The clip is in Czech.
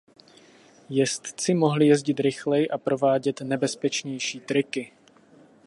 Jezdci mohli jezdit rychleji a provádět nebezpečnější triky.